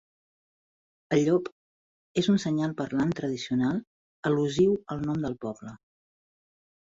El llop és un senyal parlant tradicional al·lusiu al nom del poble.